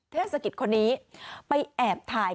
เทศกิจคนนี้ไปแอบถ่าย